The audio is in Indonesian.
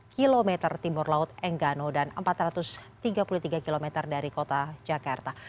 lima km timur laut enggano dan empat ratus tiga puluh tiga km dari kota jakarta